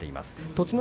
栃ノ